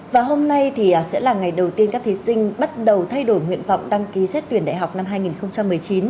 và hôm nay thì sẽ là ngày đầu tiên các thí sinh bắt đầu thay đổi nguyện vọng đăng ký xét tuyển đại học năm hai nghìn một mươi chín